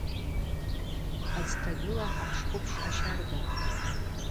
Адзтагыла хӏапшхвыпш ащардапӏ.